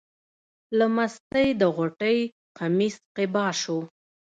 له مستۍ د غوټۍ قمیص قبا شو.